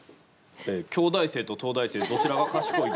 「京大生と東大生どちらが賢い？」